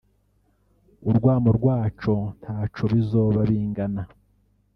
urwamo rwaco ntaco bizoba bingana